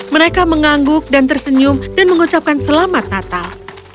mereka mengangguk dan tersenyum dan mengucapkan selamat natal